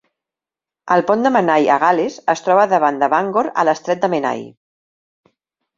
El pont de Menai a Gal·les es troba davant de Bangor a l'estret de Menai.